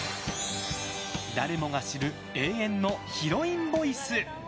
誰もが知る永遠のヒロインボイス！